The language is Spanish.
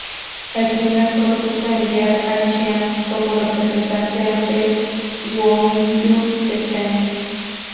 El primero propuso enviar a Chiang como representante ante el Guominjun de Feng.